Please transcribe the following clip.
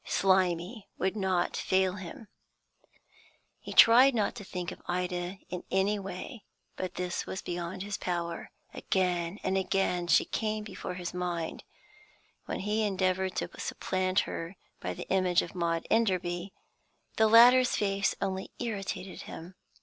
Slimy would not fail him. He tried not to think of Ida in any way, but this was beyond his power. Again and again she came before his mind. When he endeavoured to supplant her by the image of Maud Enderby, the latter's face only irritated him.